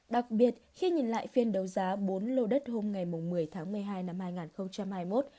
đặc biệt khi nhìn lại phiên đấu giá bốn lô đất hôm một mươi tháng một mươi hai năm hai nghìn hai mươi một